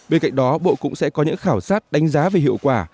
bên cạnh đó bộ cũng sẽ có những khảo sát đánh giá về hiệu quả